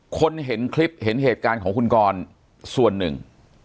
คนเห็นคลิปเห็นเหตุการณ์ของคุณกรส่วนหนึ่ง